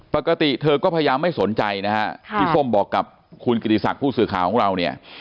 ปกติเธอก็พยายามไม่สนใจนะฮะพี่ส้มบอกกับคุณกิติศักดิ์ผู้สื่อข่าวของเราเนี่ย